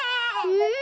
うん？